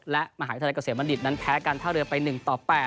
และมหาวิทยาลัยเกษมบัณฑิตนั้นแพ้การท่าเรือไป๑ต่อ๘